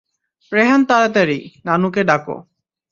রেহান তারাতাড়ি, নানুকে ডাকো।